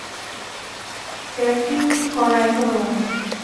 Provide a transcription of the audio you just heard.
Packing করা এখনও বাকি!